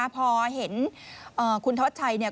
พอเห็นข้อได้คุณธภัย